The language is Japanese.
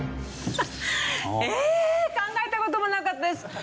え考えた事もなかったです。